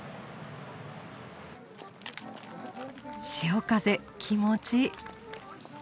潮風気持ちいい。